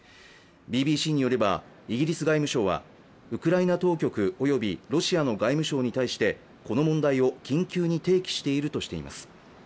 ＢＢＣによればイギリス外務省はウクライナ当局、およびロシアの外務省に対してこの問題を緊急に提起しているとしています。